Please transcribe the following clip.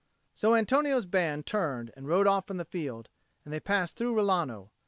So Antonio's band turned and rode off from the field, and they passed through Rilano.